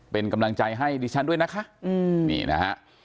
เป็นกำลังใจให้ดิฉันด้วยนะฮะ